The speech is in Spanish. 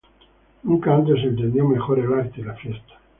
Nunca antes se entendió mejor el arte y la fiesta.